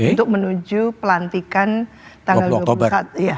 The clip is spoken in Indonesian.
untuk menuju pelantikan tanggal dua puluh satu